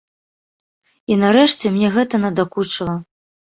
І нарэшце мне гэта надакучыла.